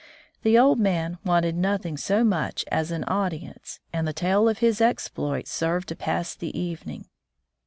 The old man wanted nothing so much as an au dience, and the tale of his exploits served to pass the evening.